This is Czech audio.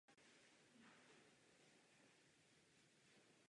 Vystudovala učitelský ústav v Kroměříži a později v Brně a Ostravě.